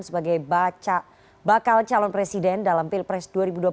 sebagai bakal calon presiden dalam pilpres dua ribu dua puluh empat